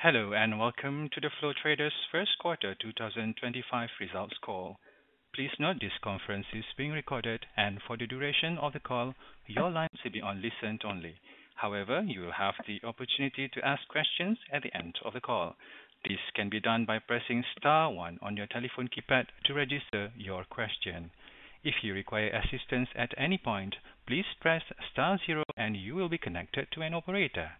Hello and welcome to the Flow Traders First Quarter 2025 results call. Please note this conference is being recorded, and for the duration of the call, your line will be on listen only. However, you will have the opportunity to ask questions at the end of the call. This can be done by pressing star one on your telephone keypad to register your question. If you require assistance at any point, please press star zero and you will be connected to an operator.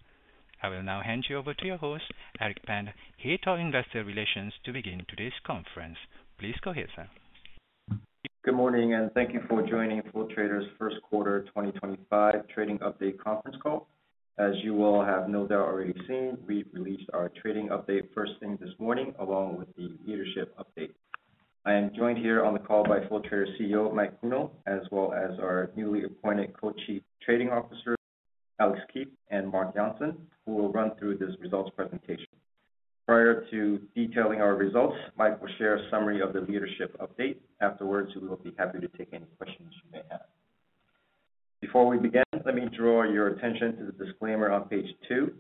I will now hand you over to your host, Eric Pan, Head of Investor Relations, to begin today's conference. Please go ahead, sir. Good morning and thank you for joining Flow Traders First Quarter 2025 Trading Update Conference Call. As you all have no doubt already seen, we released our trading update first thing this morning along with the leadership update. I am joined here on the call by Flow Traders CEO Mike Kuehnel, as well as our newly appointed Co-Chief Trading Officer, Alex Kieft, and Marc Jansen, who will run through this results presentation. Prior to detailing our results, Mike will share a summary of the leadership update. Afterwards, we will be happy to take any questions you may have. Before we begin, let me draw your attention to the disclaimer on page two.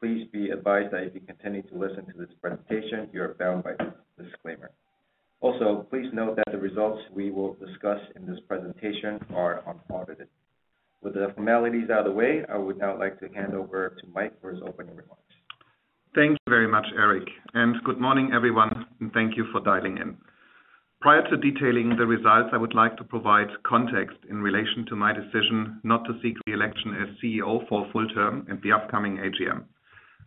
Please be advised that if you continue to listen to this presentation, you are bound by this disclaimer. Also, please note that the results we will discuss in this presentation are unaudited. With the formalities out of the way, I would now like to hand over to Mike for his opening remarks. Thank you very much, Eric, and good morning everyone, and thank you for dialing in. Prior to detailing the results, I would like to provide context in relation to my decision not to seek re-election as CEO for full term at the upcoming AGM.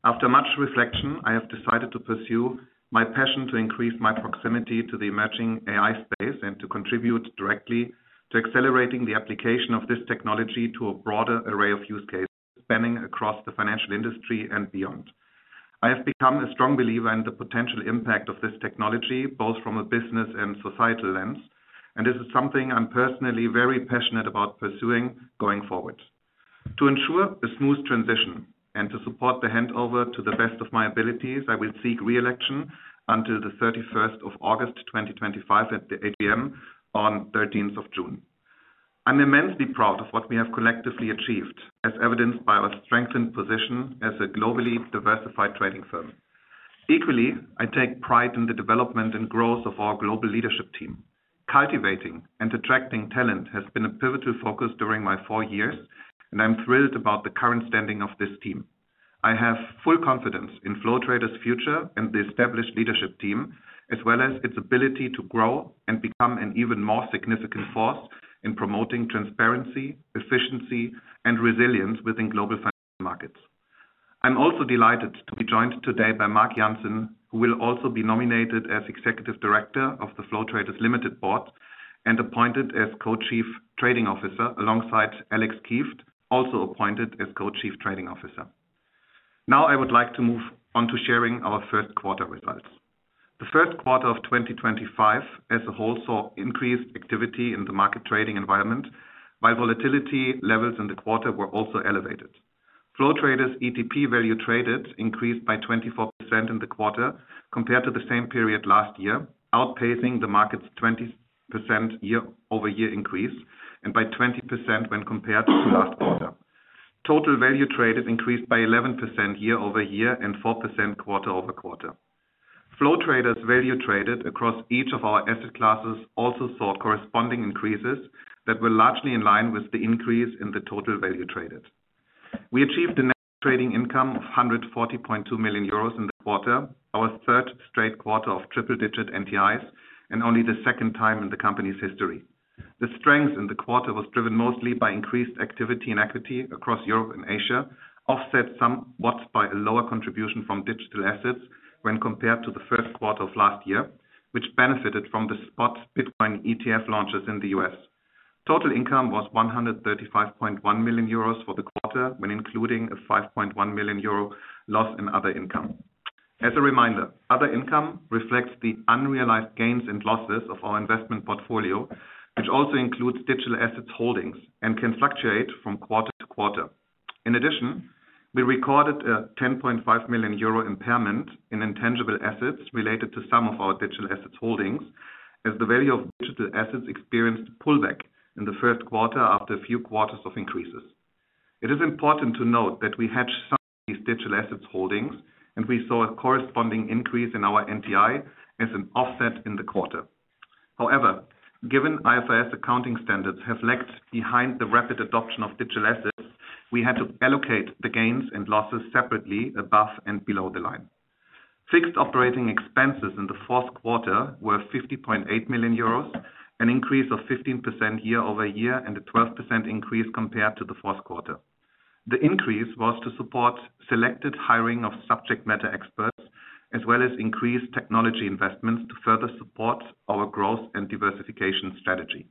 After much reflection, I have decided to pursue my passion to increase my proximity to the emerging AI space and to contribute directly to accelerating the application of this technology to a broader array of use cases spanning across the financial industry and beyond. I have become a strong believer in the potential impact of this technology, both from a business and societal lens, and this is something I'm personally very passionate about pursuing going forward. To ensure a smooth transition and to support the handover to the best of my abilities, I will seek re-election until the 31st of August 2025 at the AGM on the 13th of June. I'm immensely proud of what we have collectively achieved, as evidenced by our strengthened position as a globally diversified trading firm. Equally, I take pride in the development and growth of our global leadership team. Cultivating and attracting talent has been a pivotal focus during my four years, and I'm thrilled about the current standing of this team. I have full confidence in Flow Traders' future and the established leadership team, as well as its ability to grow and become an even more significant force in promoting transparency, efficiency, and resilience within global financial markets. I'm also delighted to be joined today by Marc Jansen, who will also be nominated as Executive Director of the Flow Traders Board and appointed as Co-Chief Trading Officer alongside Alex Kieft, also appointed as Co-Chief Trading Officer. Now, I would like to move on to sharing our first quarter results. The first quarter of 2025 as a whole saw increased activity in the market trading environment, while volatility levels in the quarter were also elevated. Flow Traders' ETP value traded increased by 24% in the quarter compared to the same period last year, outpacing the market's 20% year-over-year increase and by 20% when compared to last quarter. Total value traded increased by 11% year-over-year and 4% quarter-over-quarter. Flow Traders' value traded across each of our asset classes also saw corresponding increases that were largely in line with the increase in the total value traded. We achieved the net trading income of 140.2 million euros in the quarter, our third straight quarter of triple-digit NTIs, and only the second time in the company's history. The strength in the quarter was driven mostly by increased activity and equity across Europe and Asia, offset somewhat by a lower contribution from digital assets when compared to the first quarter of last year, which benefited from the spot Bitcoin ETF launches in the US. Total income was 135.1 million euros for the quarter when including a 5.1 million euro loss in other income. As a reminder, other income reflects the unrealized gains and losses of our investment portfolio, which also includes digital assets holdings and can fluctuate from quarter to quarter. In addition, we recorded a 10.5 million euro impairment in intangible assets related to some of our digital assets holdings, as the value of digital assets experienced a pullback in the first quarter after a few quarters of increases. It is important to note that we hedged some of these digital assets holdings, and we saw a corresponding increase in our NTI as an offset in the quarter. However, given IFRS accounting standards have lagged behind the rapid adoption of digital assets, we had to allocate the gains and losses separately above and below the line. Fixed operating expenses in the fourth quarter were 50.8 million euros, an increase of 15% year-over-year and a 12% increase compared to the fourth quarter. The increase was to support selected hiring of subject matter experts, as well as increased technology investments to further support our growth and diversification strategy.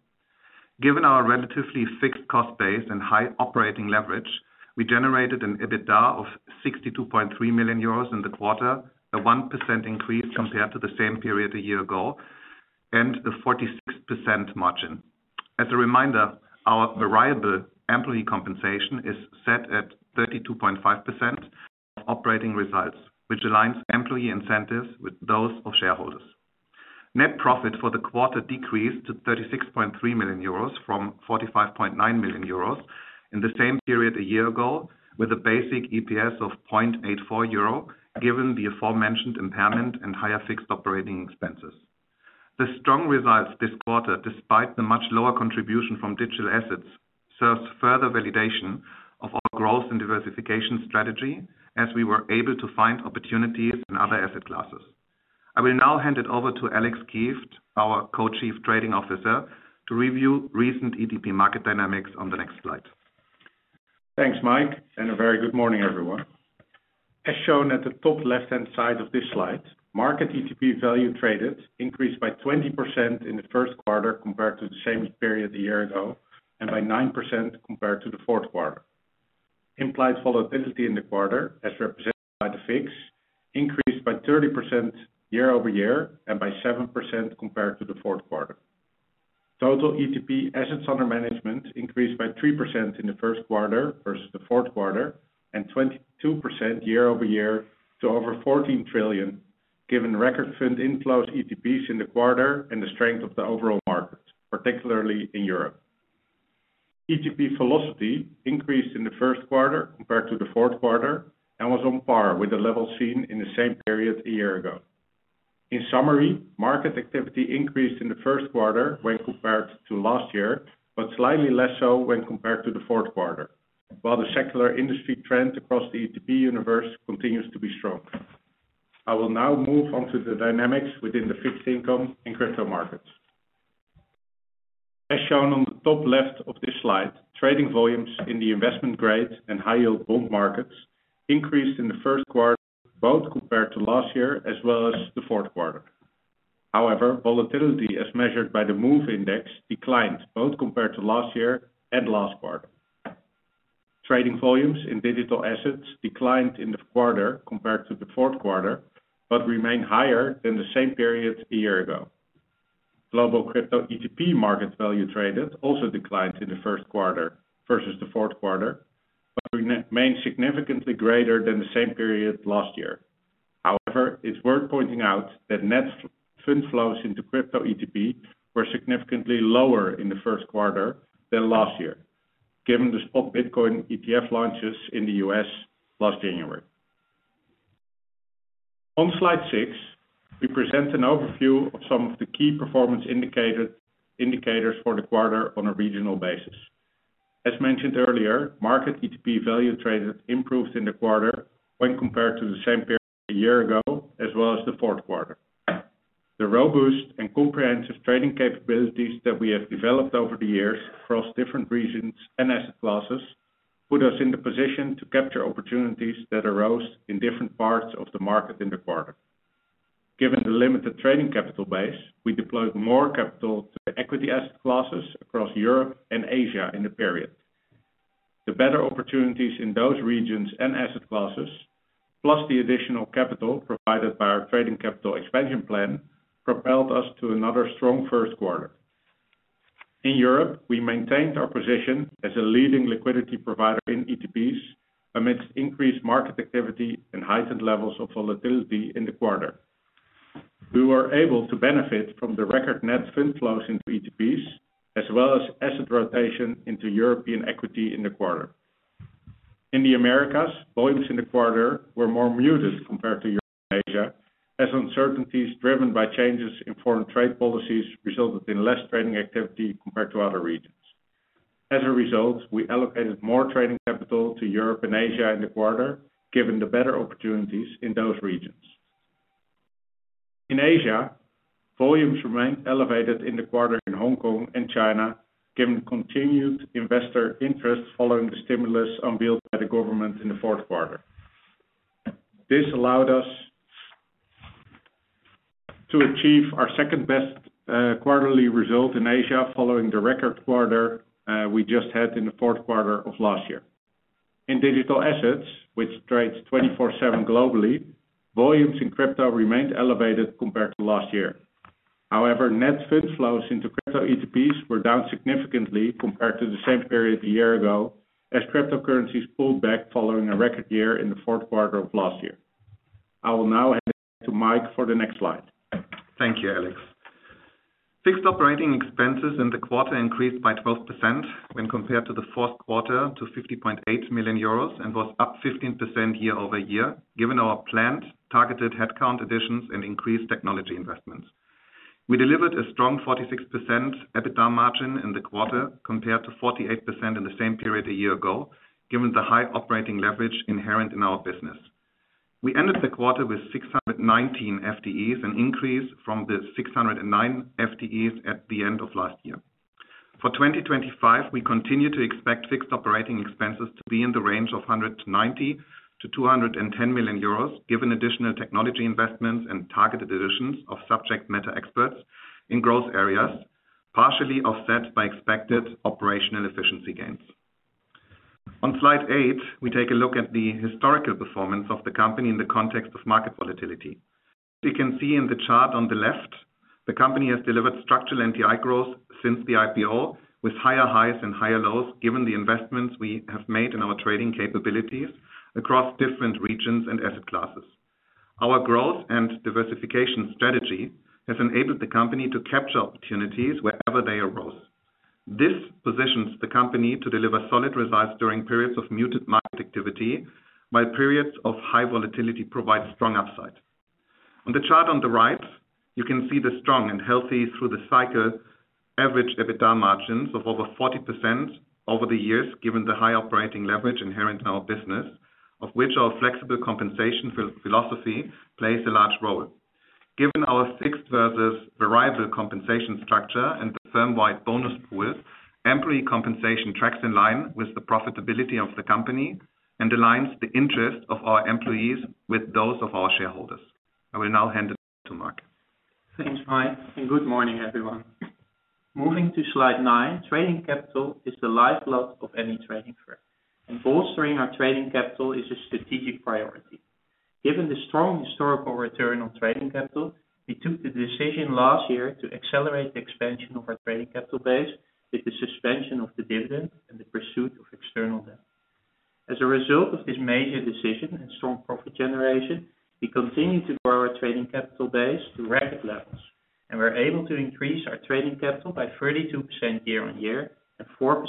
Given our relatively fixed cost base and high operating leverage, we generated an EBITDA of 62.3 million euros in the quarter, a 1% increase compared to the same period a year ago, and a 46% margin. As a reminder, our variable employee compensation is set at 32.5% of operating results, which aligns employee incentives with those of shareholders. Net profit for the quarter decreased to 36.3 million euros from 45.9 million euros in the same period a year ago, with a basic EPS of 0.84 euro given the aforementioned impairment and higher fixed operating expenses. The strong results this quarter, despite the much lower contribution from digital assets, serves further validation of our growth and diversification strategy, as we were able to find opportunities in other asset classes. I will now hand it over to Alex Kieft, our Co-Chief Trading Officer, to review recent ETP market dynamics on the next slide. Thanks, Mike, and a very good morning, everyone. As shown at the top left-hand side of this slide, market ETP value traded increased by 20% in the first quarter compared to the same period a year ago and by 9% compared to the fourth quarter. Implied volatility in the quarter, as represented by the VIX, increased by 30% year-over-year and by 7% compared to the fourth quarter. Total ETP assets under management increased by 3% in the first quarter versus the fourth quarter and 22% year-over-year to over 14 trillion, given record fund inflows to ETPs in the quarter and the strength of the overall market, particularly in Europe. ETP velocity increased in the first quarter compared to the fourth quarter and was on par with the levels seen in the same period a year ago. In summary, market activity increased in the first quarter when compared to last year, but slightly less so when compared to the fourth quarter, while the secular industry trend across the ETP universe continues to be strong. I will now move on to the dynamics within the fixed income and crypto markets. As shown on the top left of this slide, trading volumes in the investment grade and high-yield bond markets increased in the first quarter, both compared to last year as well as the fourth quarter. However, volatility, as measured by the MOVE index, declined both compared to last year and last quarter. Trading volumes in digital assets declined in the quarter compared to the fourth quarter, but remained higher than the same period a year ago. Global crypto ETP market value traded also declined in the first quarter versus the fourth quarter, but remained significantly greater than the same period last year. However, it's worth pointing out that net fund flows into crypto ETP were significantly lower in the first quarter than last year, given the spot Bitcoin ETF launches in the US last January. On slide six, we present an overview of some of the key performance indicators for the quarter on a regional basis. As mentioned earlier, market ETP value traded improved in the quarter when compared to the same period a year ago, as well as the fourth quarter. The robust and comprehensive trading capabilities that we have developed over the years across different regions and asset classes put us in the position to capture opportunities that arose in different parts of the market in the quarter. Given the limited trading capital base, we deployed more capital to the equity asset classes across Europe and Asia in the period. The better opportunities in those regions and asset classes, plus the additional capital provided by our trading capital expansion plan, propelled us to another strong first quarter. In Europe, we maintained our position as a leading liquidity provider in ETPs amidst increased market activity and heightened levels of volatility in the quarter. We were able to benefit from the record net fund flows into ETPs, as well as asset rotation into European equity in the quarter. In the Americas, volumes in the quarter were more muted compared to Europe and Asia, as uncertainties driven by changes in foreign trade policies resulted in less trading activity compared to other regions. As a result, we allocated more trading capital to Europe and Asia in the quarter, given the better opportunities in those regions. In Asia, volumes remained elevated in the quarter in Hong Kong and China, given continued investor interest following the stimulus unveiled by the government in the fourth quarter. This allowed us to achieve our second-best quarterly result in Asia following the record quarter we just had in the fourth quarter of last year. In digital assets, which trades 24/7 globally, volumes in crypto remained elevated compared to last year. However, net fund flows into crypto ETPs were down significantly compared to the same period a year ago, as cryptocurrencies pulled back following a record year in the fourth quarter of last year. I will now hand it back to Mike for the next slide. Thank you, Alex. Fixed operating expenses in the quarter increased by 12% when compared to the fourth quarter to 50.8 million euros and was up 15% year-over-year, given our planned targeted headcount additions and increased technology investments. We delivered a strong 46% EBITDA margin in the quarter compared to 48% in the same period a year ago, given the high operating leverage inherent in our business. We ended the quarter with 619 FTEs, an increase from the 609 FTEs at the end of last year. For 2025, we continue to expect fixed operating expenses to be in the range of 190-210 million euros, given additional technology investments and targeted additions of subject matter experts in growth areas, partially offset by expected operational efficiency gains. On slide eight, we take a look at the historical performance of the company in the context of market volatility. As you can see in the chart on the left, the company has delivered structural NTI growth since the IPO, with higher highs and higher lows given the investments we have made in our trading capabilities across different regions and asset classes. Our growth and diversification strategy has enabled the company to capture opportunities wherever they arose. This positions the company to deliver solid results during periods of muted market activity, while periods of high volatility provide strong upside. On the chart on the right, you can see the strong and healthy, through the cycle, average EBITDA margins of over 40% over the years, given the high operating leverage inherent in our business, of which our flexible compensation philosophy plays a large role. Given our fixed versus variable compensation structure and the firm-wide bonus pools, employee compensation tracks in line with the profitability of the company and aligns the interests of our employees with those of our shareholders. I will now hand it back to Marc. Thanks, Mike, and good morning, everyone. Moving to slide nine, trading capital is the lifeblood of any trading firm, and bolstering our trading capital is a strategic priority. Given the strong historical return on trading capital, we took the decision last year to accelerate the expansion of our trading capital base with the suspension of the dividend and the pursuit of external debt. As a result of this major decision and strong profit generation, we continue to grow our trading capital base to record levels, and we're able to increase our trading capital by 32% year-on-year and 4%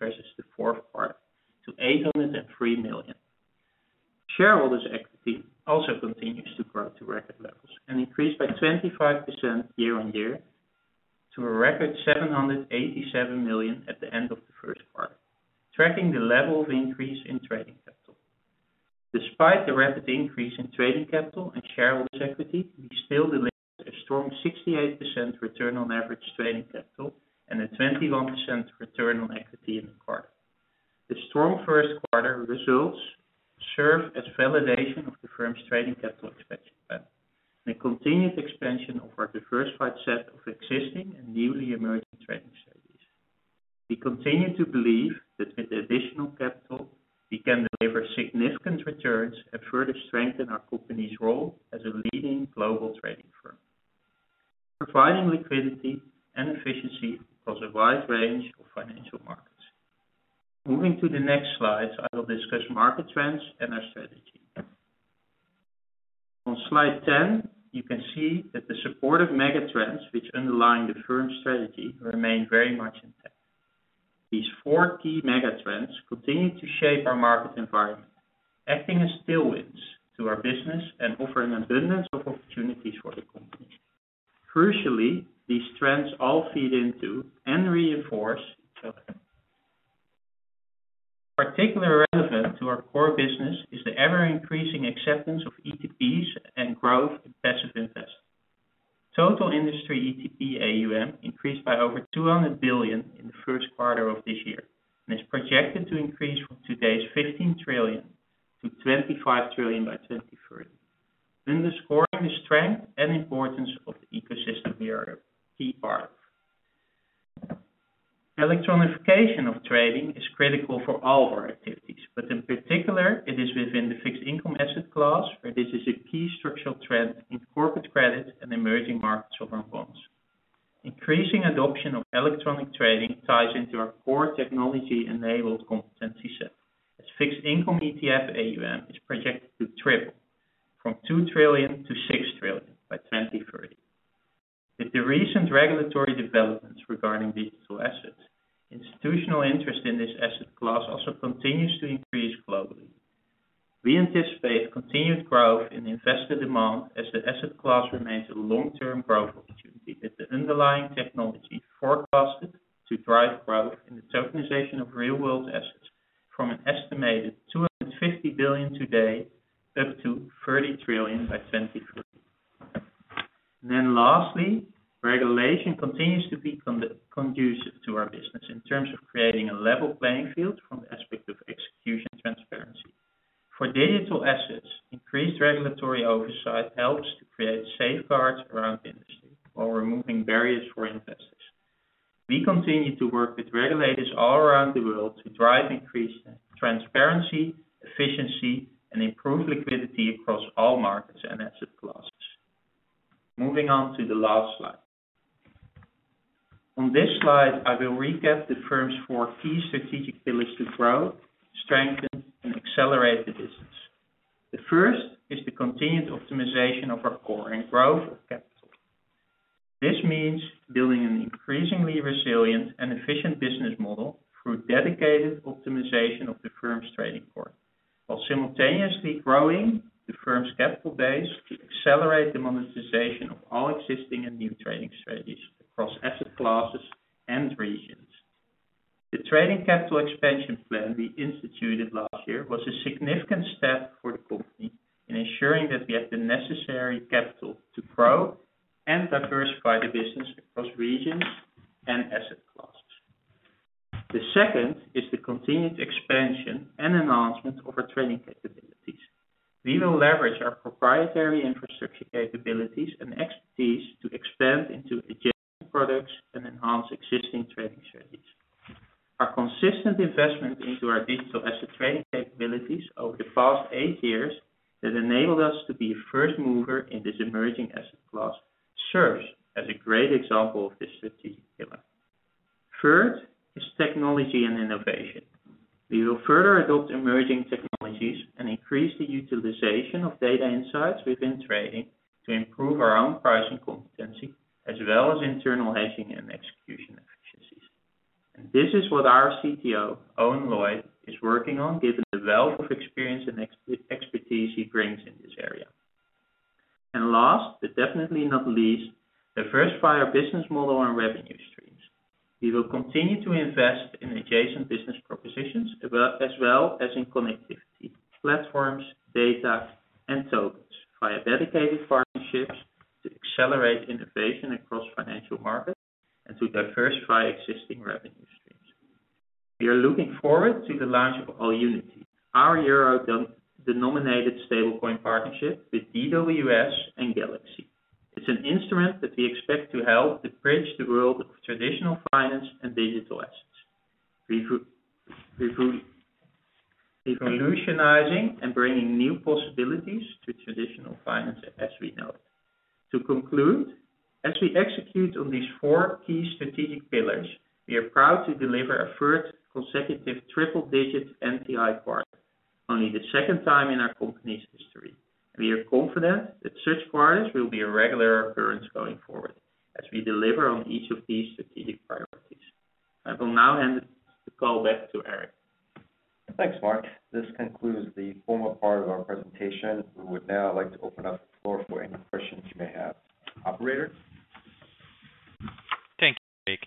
versus the fourth quarter to 803 million. Shareholders' equity also continues to grow to record levels and increased by 25% year-on-year to a record 787 million at the end of the first quarter, tracking the level of increase in trading capital. Despite the rapid increase in trading capital and shareholders' equity, we still delivered a strong 68% return on average trading capital and a 21% return on equity in the quarter. The strong first quarter results serve as validation of the firm's trading capital expansion plan and continued expansion of our diversified set of existing and newly emerging trading strategies. We continue to believe that with additional capital, we can deliver significant returns and further strengthen our company's role as a leading global trading firm, providing liquidity and efficiency across a wide range of financial markets. Moving to the next slides, I will discuss market trends and our strategy. On slide 10, you can see that the supportive megatrends, which underline the firm's strategy, remain very much intact. These four key megatrends continue to shape our market environment, acting as tailwinds to our business and offering an abundance of opportunities for the company. Crucially, these trends all feed into and reinforce each other. Particularly relevant to our core business is the ever-increasing acceptance of ETPs and growth in passive investment. Total industry ETP AUM increased by over 200 billion in the first quarter of this year and is projected to increase from today's 15 trillion to 25 trillion by 2030, underscoring the strength and importance of the ecosystem we are a key part of. Electronification of trading is critical for all of our activities, but in particular, it is within the fixed income asset class where this is a key structural trend in corporate credits and emerging markets sovereign bonds. Increasing adoption of electronic trading ties into our core technology-enabled competency set, as fixed income ETF AUM is projected to triple from 2 trillion to 6 trillion by 2030. With the recent regulatory developments regarding digital assets, institutional interest in this asset class also continues to increase globally. We anticipate continued growth in investor demand as the asset class remains a long-term growth opportunity with the underlying technology forecasted to drive growth in the tokenization of real-world assets from an estimated 250 billion today up to 30 trillion by 2030. Lastly, regulation continues to be conducive to our business in terms of creating a level playing field from the aspect of execution transparency. For digital assets, increased regulatory oversight helps to create safeguards around the industry while removing barriers for investors. We continue to work with regulators all around the world to drive increased transparency, efficiency, and improved liquidity across all markets and asset classes. Moving on to the last slide. On this slide, I will recap the firm's four key strategic pillars to grow, strengthen, and accelerate the business. The first is the continued optimization of our core and growth of capital. This means building an increasingly resilient and efficient business model through dedicated optimization of the firm's trading core, while simultaneously growing the firm's capital base to accelerate the monetization of all existing and new trading strategies across asset classes and regions. The trading capital expansion plan we instituted last year was a significant step for the company in ensuring that we have the necessary capital to grow and diversify the business across regions and asset classes. The second is the continued expansion and enhancement of our trading capabilities. We will leverage our proprietary infrastructure capabilities and expertise to expand into adjacent products and enhance existing trading strategies. Our consistent investment into our digital asset trading capabilities over the past eight years that enabled us to be a first mover in this emerging asset class serves as a great example of this strategic pillar. Third is technology and innovation. We will further adopt emerging technologies and increase the utilization of data insights within trading to improve our own pricing competency, as well as internal hedging and execution efficiencies. This is what our CTO, Owen Lloyd, is working on, given the wealth of experience and expertise he brings in this area. Last, but definitely not least, diversify our business model and revenue streams. We will continue to invest in adjacent business propositions as well as in connectivity platforms, data, and tokens via dedicated partnerships to accelerate innovation across financial markets and to diversify existing revenue streams. We are looking forward to the launch of AllUnity, our Euro-denominated stablecoin partnership with DWS and Galaxy. It's an instrument that we expect to help to bridge the world of traditional finance and digital assets, revolutionizing and bringing new possibilities to traditional finance as we know it. To conclude, as we execute on these four key strategic pillars, we are proud to deliver our first consecutive triple-digit NTI quarter, only the second time in our company's history. We are confident that such quarters will be a regular occurrence going forward as we deliver on each of these strategic priorities. I will now hand the call back to Eric. Thanks, Marc. This concludes the formal part of our presentation. We would now like to open up the floor for any questions you may have. Operator. Thank you, Eric.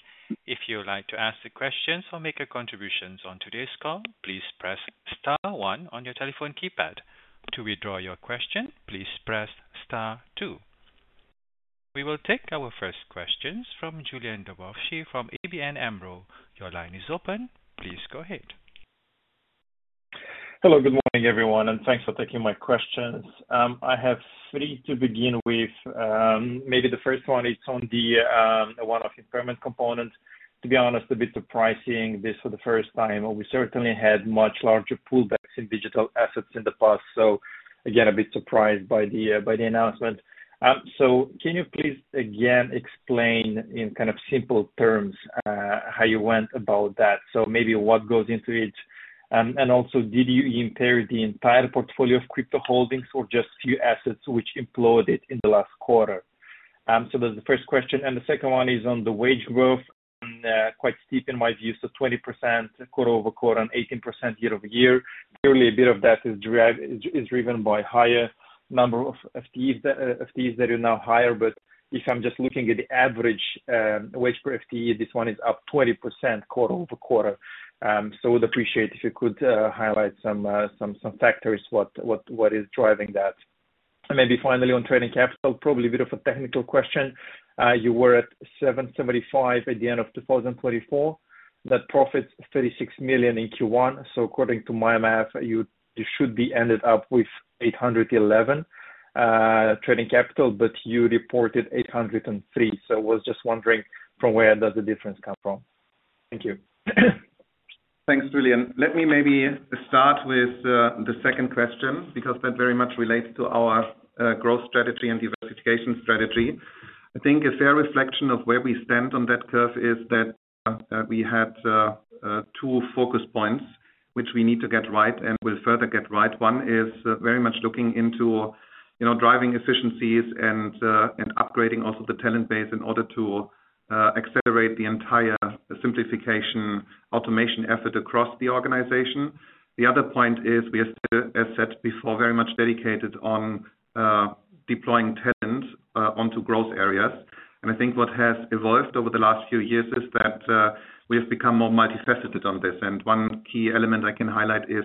If you would like to ask a question or make a contribution on today's call, please press star one on your telephone keypad. To withdraw your question, please press star two. We will take our first questions from Julian Dobrovsky from ABN AMRO. Your line is open. Please go ahead. Hello, good morning, everyone, and thanks for taking my questions. I have three to begin with. Maybe the first one is on the one of improvement components. To be honest, a bit surprising this for the first time. We certainly had much larger pullbacks in digital assets in the past. A bit surprised by the announcement. Can you please again explain in kind of simple terms how you went about that? Maybe what goes into it? Also, did you impair the entire portfolio of crypto holdings or just a few assets which imploded in the last quarter? That is the first question. The second one is on the wage growth, quite steep in my view, 20% quarter over quarter and 18% year-over-year. Clearly, a bit of that is driven by a higher number of FTEs that are now higher. If I'm just looking at the average wage per FTE, this one is up 20% quarter over quarter. I would appreciate if you could highlight some factors what is driving that. Maybe finally on trading capital, probably a bit of a technical question. You were at 775 million at the end of 2024. That profits 36 million in Q1. According to my math, you should be ended up with 811 million trading capital, but you reported 803 million. I was just wondering from where does the difference come from? Thank you. Thanks, Julian. Let me maybe start with the second question because that very much relates to our growth strategy and diversification strategy. I think a fair reflection of where we stand on that curve is that we had two focus points which we need to get right and will further get right. One is very much looking into driving efficiencies and upgrading also the talent base in order to accelerate the entire simplification automation effort across the organization. The other point is we are, as said before, very much dedicated on deploying talent onto growth areas. I think what has evolved over the last few years is that we have become more multifaceted on this. One key element I can highlight is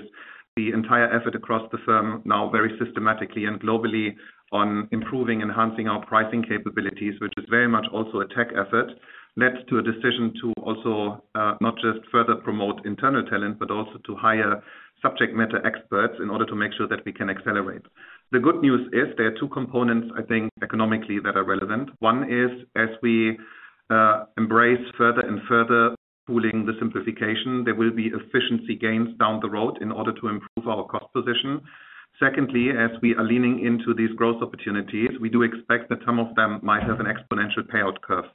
the entire effort across the firm now very systematically and globally on improving, enhancing our pricing capabilities, which is very much also a tech effort, led to a decision to also not just further promote internal talent, but also to hire subject matter experts in order to make sure that we can accelerate. The good news is there are two components, I think, economically that are relevant. One is as we embrace further and further pooling the simplification, there will be efficiency gains down the road in order to improve our cost position. Secondly, as we are leaning into these growth opportunities, we do expect that some of them might have an exponential payout curve.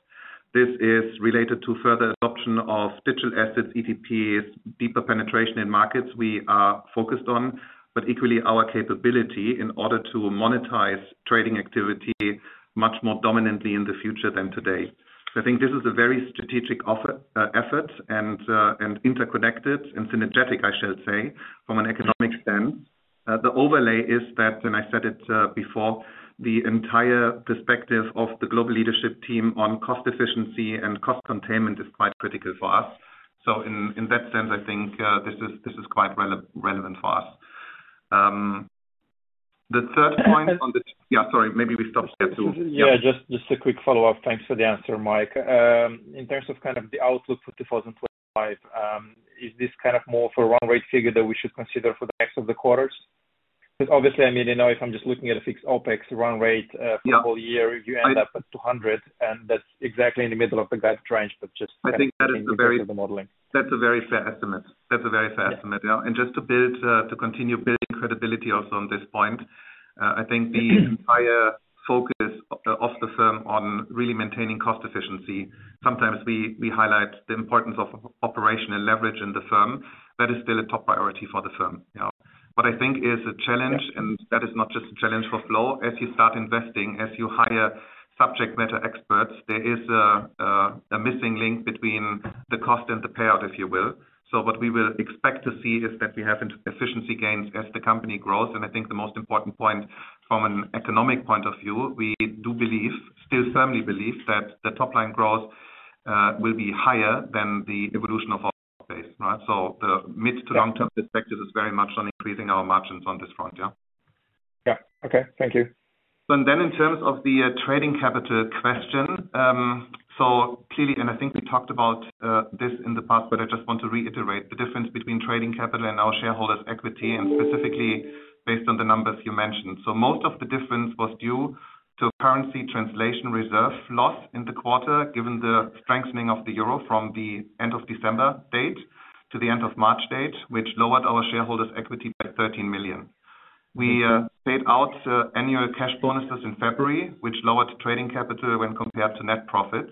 This is related to further adoption of digital assets, ETPs, deeper penetration in markets we are focused on, but equally our capability in order to monetize trading activity much more dominantly in the future than today. I think this is a very strategic effort and interconnected and synergetic, I shall say, from an economic sense. The overlay is that, and I said it before, the entire perspective of the global leadership team on cost efficiency and cost containment is quite critical for us. In that sense, I think this is quite relevant for us. The third point on the—yeah, sorry, maybe we stopped there too. Yeah, just a quick follow-up. Thanks for the answer, Mike. In terms of kind of the outlook for 2025, is this kind of more of a run rate figure that we should consider for the next of the quarters? Because obviously, I mean, if I'm just looking at a fixed OpEx run rate for the whole year, you end up at 200 million, and that's exactly in the middle of the gaped range, but just kind of— That's a very fair estimate. That's a very fair estimate. Just to continue building credibility also on this point, I think the entire focus of the firm on really maintaining cost efficiency, sometimes we highlight the importance of operational leverage in the firm. That is still a top priority for the firm. What I think is a challenge, and that is not just a challenge for Flow Traders, as you start investing, as you hire subject matter experts, there is a missing link between the cost and the payout, if you will. What we will expect to see is that we have efficiency gains as the company grows. I think the most important point from an economic point of view, we do believe, still firmly believe that the top line growth will be higher than the evolution of our base. The mid to long-term perspective is very much on increasing our margins on this front. Yeah. Yeah. Okay. Thank you. In terms of the trading capital question, clearly, I think we talked about this in the past, but I just want to reiterate the difference between trading capital and our shareholders' equity, and specifically based on the numbers you mentioned. Most of the difference was due to currency translation reserve loss in the quarter, given the strengthening of the euro from the end of December date to the end of March date, which lowered our shareholders' equity by 13 million. We paid out annual cash bonuses in February, which lowered trading capital when compared to net profits.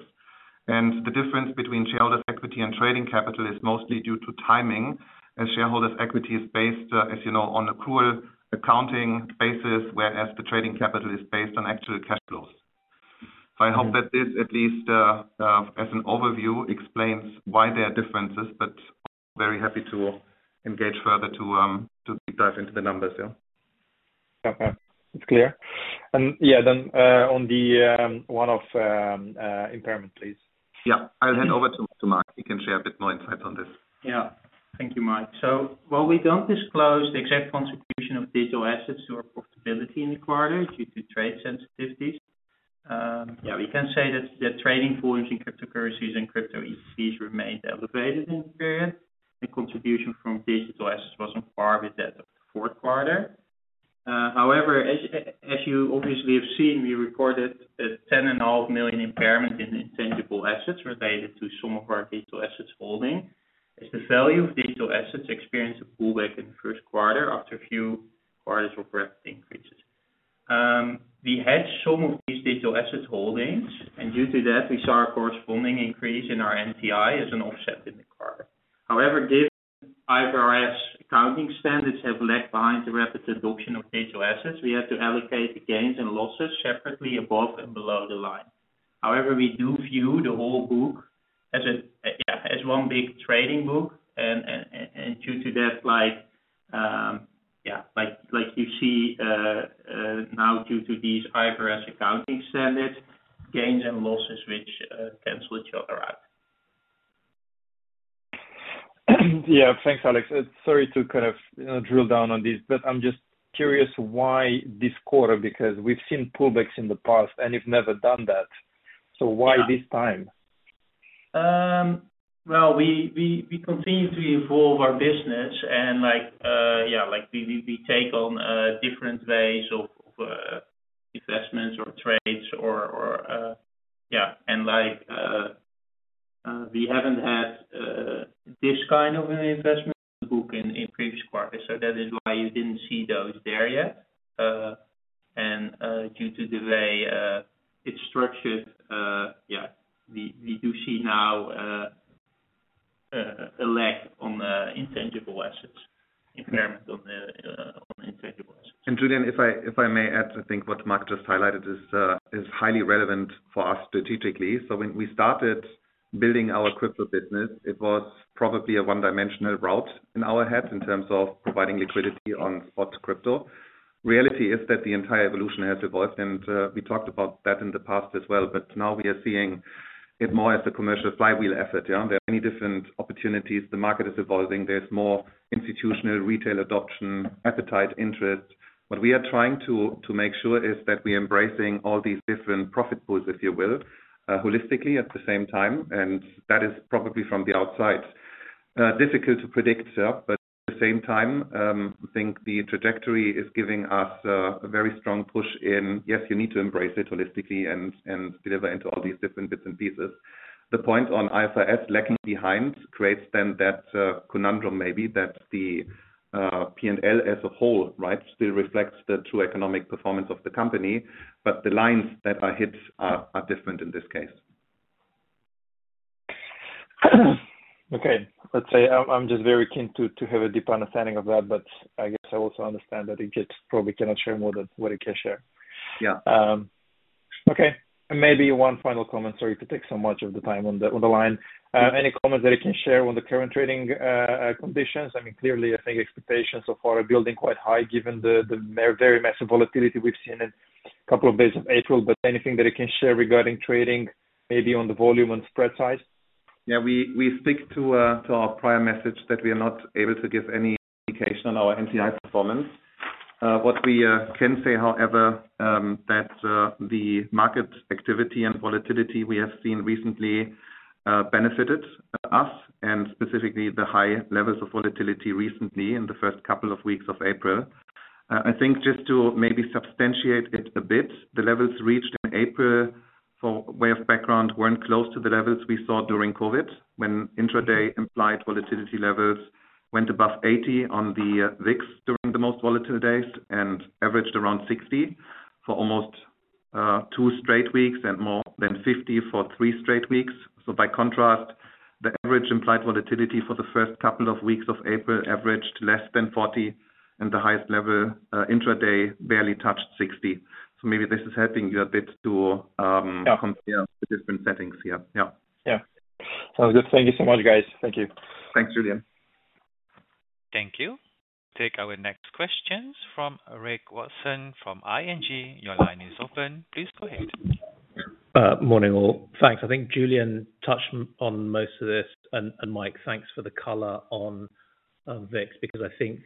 The difference between shareholders' equity and trading capital is mostly due to timing, as shareholders' equity is based, as you know, on accrual accounting basis, whereas the trading capital is based on actual cash flows. I hope that this, at least as an overview, explains why there are differences, but I'm very happy to engage further to deep dive into the numbers. Yeah. Okay. It's clear. Yeah, then on the one of impairment, please. Yeah. I'll hand over to Marc. He can share a bit more insights on this. Thank you, Mike. While we do not disclose the exact constitution of digital assets or profitability in the quarter due to trade sensitivities, we can say that the trading volumes in cryptocurrencies and crypto ETPs remained elevated in the period. The contribution from digital assets was on par with that of the fourth quarter. However, as you obviously have seen, we recorded a 10.5 million impairment in intangible assets related to some of our digital assets holding, as the value of digital assets experienced a pullback in the first quarter after a few quarters of rapid increases. We had some of these digital asset holdings, and due to that, we saw a corresponding increase in our NTI as an offset in the quarter. However, given IFRS accounting standards have lagged behind the rapid adoption of digital assets, we had to allocate the gains and losses separately above and below the line. However, we do view the whole book as one big trading book. Like you see now due to these IFRS accounting standards, gains and losses which cancel each other out. Yeah. Thanks, Alex. Sorry to kind of drill down on this, but I'm just curious why this quarter, because we've seen pullbacks in the past and you've never done that. Why this time? We continue to evolve our business, and yeah, we take on different ways of investments or trades or yeah. We haven't had this kind of an investment in the book in previous quarters. That is why you didn't see those there yet. Due to the way it's structured, yeah, we do see now a lag on intangible assets, impairment on intangible assets. Julian, if I may add, I think what Mark just highlighted is highly relevant for us strategically. When we started building our crypto business, it was probably a one-dimensional route in our head in terms of providing liquidity on spot crypto. Reality is that the entire evolution has evolved, and we talked about that in the past as well. Now we are seeing it more as a commercial flywheel asset. There are many different opportunities. The market is evolving. There is more institutional retail adoption, appetite, interest. What we are trying to make sure is that we are embracing all these different profit pools, if you will, holistically at the same time. That is probably from the outside difficult to predict. At the same time, I think the trajectory is giving us a very strong push in, yes, you need to embrace it holistically and deliver into all these different bits and pieces. The point on IFRS lacking behind creates then that conundrum maybe that the P&L as a whole, right, still reflects the true economic performance of the company, but the lines that are hit are different in this case. Okay. Let's say I'm just very keen to have a deeper understanding of that, but I guess I also understand that he just probably cannot share more than what he can share. Yeah. Okay. Maybe one final comment. Sorry to take so much of the time on the line. Any comments that he can share on the current trading conditions? I mean, clearly, I think expectations so far are building quite high given the very massive volatility we've seen in a couple of days of April. Anything that he can share regarding trading, maybe on the volume and spread size? Yeah. We stick to our prior message that we are not able to give any indication on our NTI performance. What we can say, however, is that the market activity and volatility we have seen recently benefited us, and specifically the high levels of volatility recently in the first couple of weeks of April. I think just to maybe substantiate it a bit, the levels reached in April, for way of background, were not close to the levels we saw during COVID when intraday implied volatility levels went above 80 on the VIX during the most volatile days and averaged around 60 for almost two straight weeks and more than 50 for three straight weeks. By contrast, the average implied volatility for the first couple of weeks of April averaged less than 40, and the highest level intraday barely touched 60. Maybe this is helping you a bit to compare the different settings here. Yeah. Yeah. Sounds good. Thank you so much, guys. Thank you. Thanks, Julian. Thank you. We'll take our next questions from Reg Watson from ING. Your line is open. Please go ahead. Morning, all. Thanks. I think Julian touched on most of this. Mike, thanks for the color on VIX because I think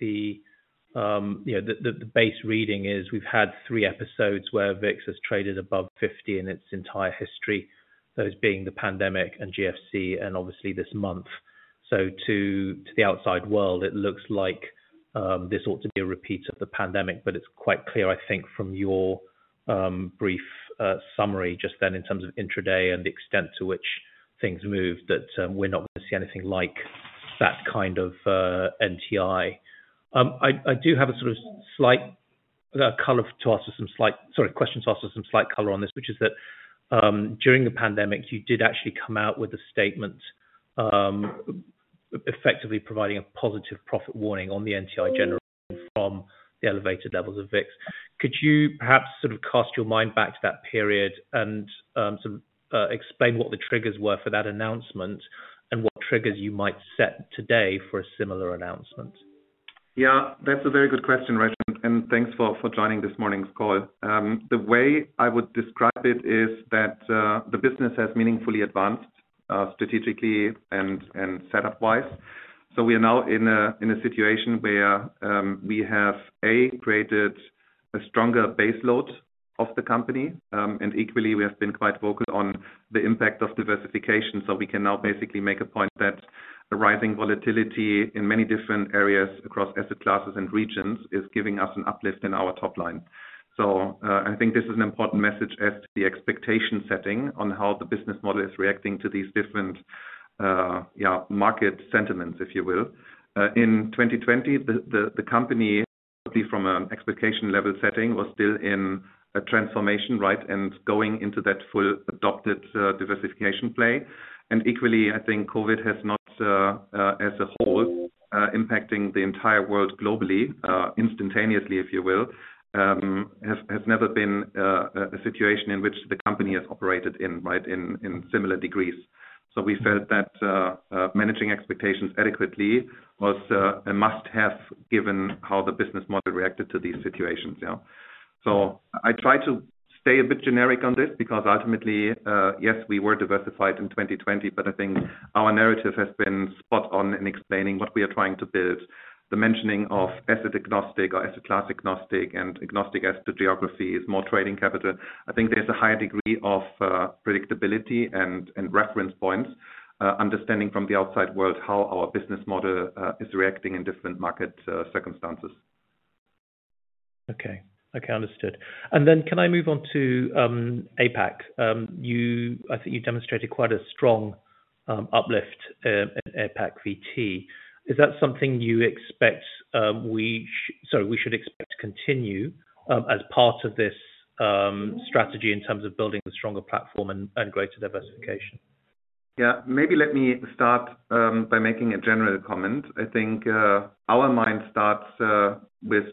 the base reading is we've had three episodes where VIX has traded above 50 in its entire history, those being the pandemic and GFC and obviously this month. To the outside world, it looks like this ought to be a repeat of the pandemic, but it's quite clear, I think, from your brief summary just then in terms of intraday and the extent to which things moved that we're not going to see anything like that kind of NTI. I do have a sort of slight question to ask for some slight color on this, which is that during the pandemic, you did actually come out with a statement effectively providing a positive profit warning on the NTI generation from the elevated levels of VIX. Could you perhaps sort of cast your mind back to that period and sort of explain what the triggers were for that announcement and what triggers you might set today for a similar announcement? Yeah. That's a very good question, Reg. Thanks for joining this morning's call. The way I would describe it is that the business has meaningfully advanced strategically and setup-wise. We are now in a situation where we have, A, created a stronger baseload of the company, and equally, we have been quite focused on the impact of diversification. We can now basically make a point that the rising volatility in many different areas across asset classes and regions is giving us an uplift in our top line. I think this is an important message as to the expectation setting on how the business model is reacting to these different, yeah, market sentiments, if you will. In 2020, the company, probably from an expectation level setting, was still in a transformation, right, and going into that full adopted diversification play. Equally, I think COVID has not, as a whole, impacting the entire world globally instantaneously, if you will, has never been a situation in which the company has operated in, right, in similar degrees. We felt that managing expectations adequately was a must-have given how the business model reacted to these situations. I try to stay a bit generic on this because ultimately, yes, we were diversified in 2020, but I think our narrative has been spot on in explaining what we are trying to build. The mentioning of asset agnostic or asset class agnostic and agnostic as to geographies, more trading capital, I think there's a higher degree of predictability and reference points, understanding from the outside world how our business model is reacting in different market circumstances. Okay. Okay. Understood. Can I move on to APAC? I think you demonstrated quite a strong uplift in APAC VT. Is that something you expect we should expect to continue as part of this strategy in terms of building a stronger platform and greater diversification? Yeah. Maybe let me start by making a general comment. I think our mind starts with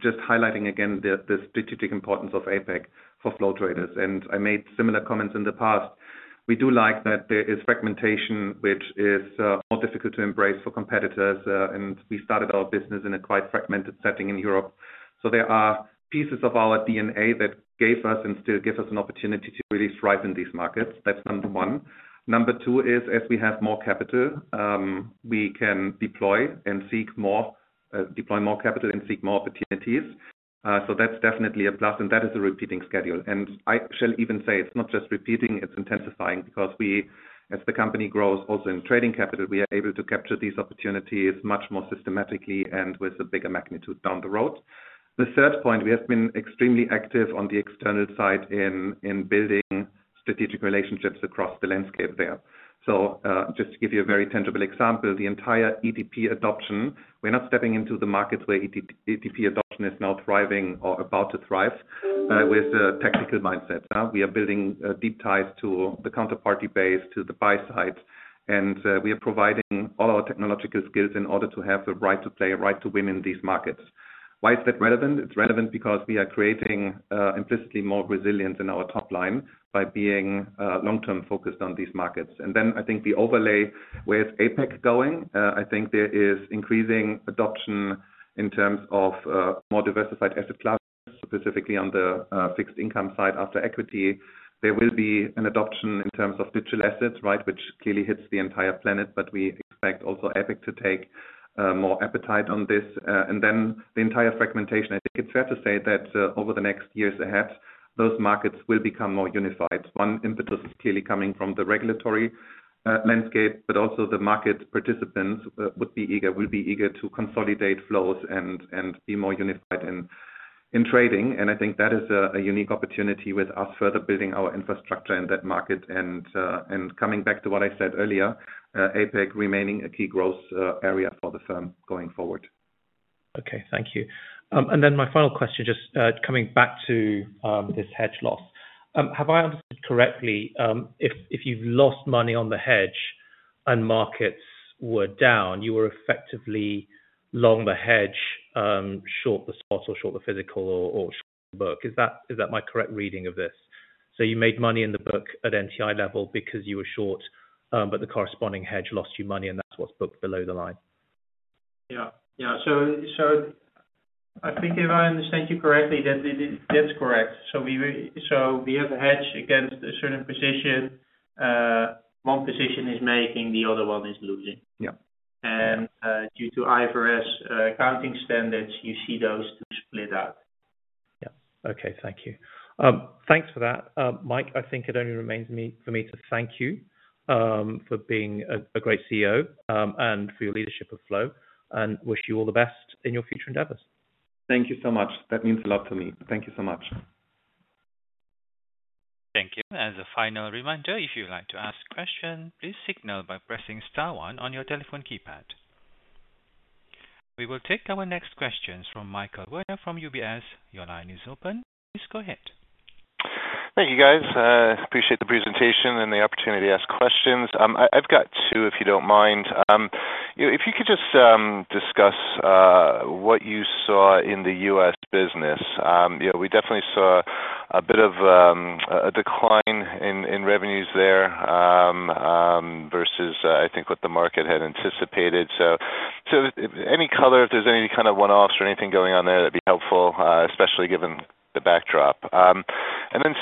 just highlighting again the strategic importance of APAC for Flow Traders. I made similar comments in the past. We do like that there is fragmentation, which is more difficult to embrace for competitors. We started our business in a quite fragmented setting in Europe. There are pieces of our DNA that gave us and still give us an opportunity to really thrive in these markets. That's number one. Number two is, as we have more capital, we can deploy and seek more, deploy more capital and seek more opportunities. That's definitely a plus. That is a repeating schedule. I shall even say it's not just repeating, it's intensifying because we, as the company grows also in trading capital, we are able to capture these opportunities much more systematically and with a bigger magnitude down the road. The third point, we have been extremely active on the external side in building strategic relationships across the landscape there. Just to give you a very tangible example, the entire ETP adoption, we're not stepping into the markets where ETP adoption is now thriving or about to thrive with tactical mindsets. We are building deep ties to the counterparty base, to the buy side, and we are providing all our technological skills in order to have the right to play, right to win in these markets. Why is that relevant? It's relevant because we are creating implicitly more resilience in our top line by being long-term focused on these markets. I think the overlay where it's APAC going, I think there is increasing adoption in terms of more diversified asset classes, specifically on the fixed income side after equity. There will be an adoption in terms of digital assets, right, which clearly hits the entire planet, but we expect also APAC to take more appetite on this. The entire fragmentation, I think it's fair to say that over the next years ahead, those markets will become more unified. One impetus is clearly coming from the regulatory landscape, but also the market participants will be eager to consolidate flows and be more unified in trading. I think that is a unique opportunity with us further building our infrastructure in that market and coming back to what I said earlier, APAC remaining a key growth area for the firm going forward. Okay. Thank you. My final question, just coming back to this hedge loss. Have I understood correctly if you've lost money on the hedge and markets were down, you were effectively long the hedge, short the spot, or short the physical, or short the book? Is that my correct reading of this? You made money in the book at NTI level because you were short, but the corresponding hedge lost you money, and that's what's booked below the line. Yeah. Yeah. I think if I understand you correctly, that's correct. We have a hedge against a certain position. One position is making, the other one is losing. Due to IFRS accounting standards, you see those two split out. Yeah. Okay. Thank you. Thanks for that. Mike, I think it only remains for me to thank you for being a great CEO and for your leadership of Flow and wish you all the best in your future endeavors. Thank you so much. That means a lot to me. Thank you so much. Thank you. As a final reminder, if you'd like to ask a question, please signal by pressing star one on your telephone keypad. We will take our next questions from Michael Werner from UBS. Your line is open. Please go ahead. Thank you, guys. Appreciate the presentation and the opportunity to ask questions. I've got two, if you don't mind. If you could just discuss what you saw in the U.S. business. We definitely saw a bit of a decline in revenues there versus, I think, what the market had anticipated. Any color, if there's any kind of one-offs or anything going on there, that'd be helpful, especially given the backdrop.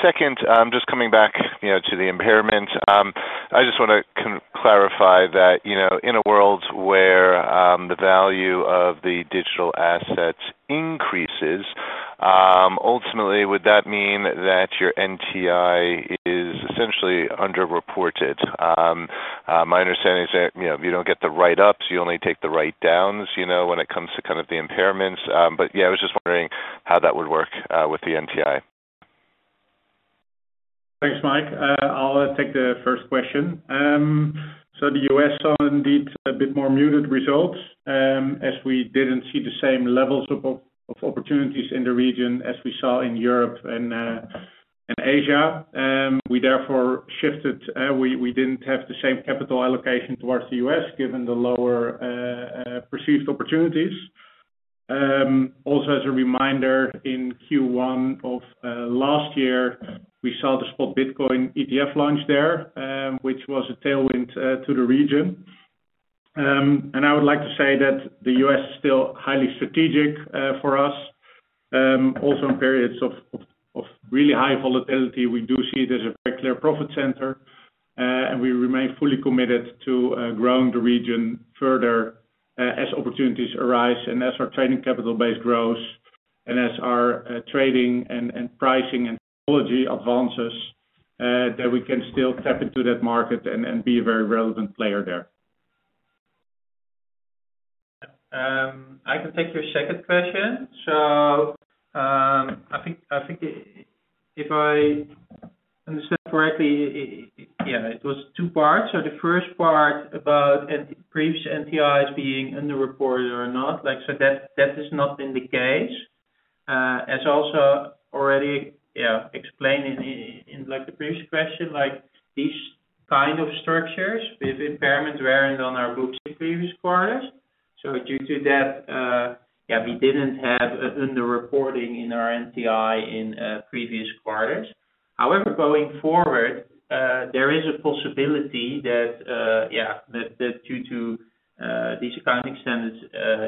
Second, just coming back to the impairment, I just want to clarify that in a world where the value of the digital assets increases, ultimately, would that mean that your NTI is essentially underreported? My understanding is that you don't get the write-ups, you only take the write-downs when it comes to kind of the impairments. I was just wondering how that would work with the NTI. Thanks, Mike. I'll take the first question. The U.S. saw indeed a bit more muted results as we didn't see the same levels of opportunities in the region as we saw in Europe and Asia. We therefore shifted. We didn't have the same capital allocation towards the U.S. given the lower perceived opportunities. Also, as a reminder, in Q1 of last year, we saw the spot Bitcoin ETF launch there, which was a tailwind to the region. I would like to say that the U.S. is still highly strategic for us. Also, in periods of really high volatility, we do see it as a very clear profit center, and we remain fully committed to growing the region further as opportunities arise and as our trading capital base grows and as our trading and pricing and technology advances, that we can still tap into that market and be a very relevant player there. I can take your second question. I think if I understood correctly, yeah, it was two parts. The first part about previous NTIs being underreported or not. That has not been the case. As also already explained in the previous question, these kind of structures with impairments were on our books in previous quarters. Due to that, yeah, we did not have underreporting in our NTI in previous quarters. However, going forward, there is a possibility that, yeah, that due to these accounting standards,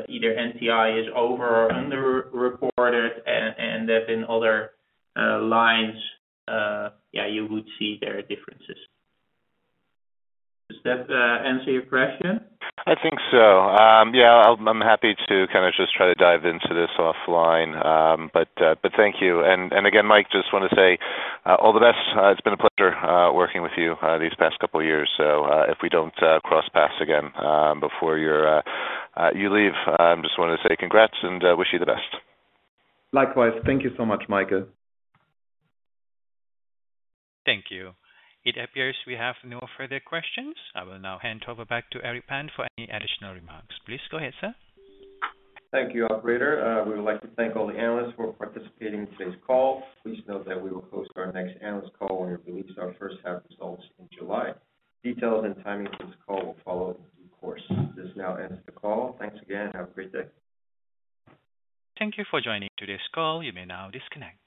either NTI is over or underreported, and there have been other lines, yeah, you would see there are differences. Does that answer your question? I think so. Yeah. I'm happy to kind of just try to dive into this offline. Thank you. Again, Mike, just want to say all the best. It's been a pleasure working with you these past couple of years. If we don't cross paths again before you leave, I just want to say congrats and wish you the best. Likewise. Thank you so much, Michael. Thank you. It appears we have no further questions. I will now hand over back to Eric Pan for any additional remarks. Please go ahead, sir. Thank you, Operator. We would like to thank all the analysts for participating in today's call. Please note that we will host our next analyst call when we release our first half results in July. Details and timing for this call will follow in due course. This now ends the call. Thanks again and have a great day. Thank you for joining today's call. You may now disconnect.